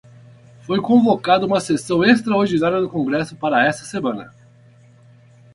Foi convocada uma sessão extraordinária no congresso para esta semana